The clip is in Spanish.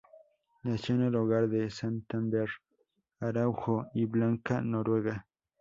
Nació en el hogar de Santander Araújo y Blanca Noguera.